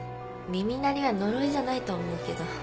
耳鳴りは呪いじゃないと思うけど。